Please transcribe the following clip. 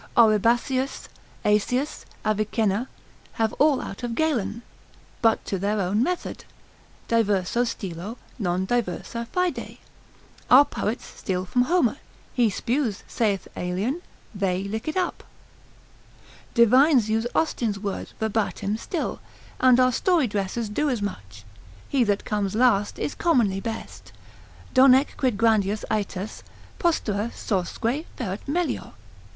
Oribasius, Aesius, Avicenna, have all out of Galen, but to their own method, diverso stilo, non diversa fide. Our poets steal from Homer; he spews, saith Aelian, they lick it up. Divines use Austin's words verbatim still, and our story dressers do as much; he that comes last is commonly best, ———donec quid grandius aetas Postera sorsque ferat melior.